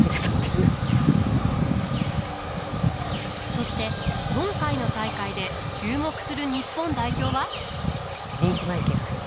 そして今回の大会で注目する日本代表は？